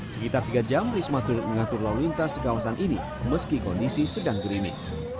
sekitar tiga jam risma turut mengatur lalu lintas di kawasan ini meski kondisi sedang gerimis